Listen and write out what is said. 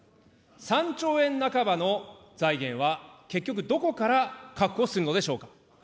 ３兆円半ばの財源は結局どこから確保するのでしょうか。